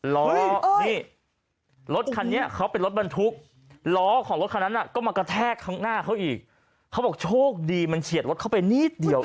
ล้อนี่รถคันนี้เขาเป็นรถบรรทุกล้อของรถคันนั้นก็มากระแทกข้างหน้าเขาอีกเขาบอกโชคดีมันเฉียดรถเข้าไปนิดเดียว